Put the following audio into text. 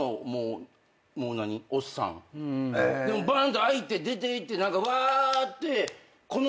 でもばんと開いて出ていってわーってこの。